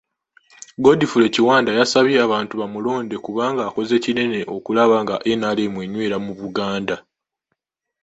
Godfrey Kiwanda yasabye abantu bamulonde kubanga akoze kinene okulaba nga NRM enywera mu Buganda.